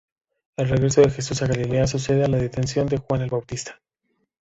El regreso de Jesús a Galilea sucede a la detención de Juan el Bautista.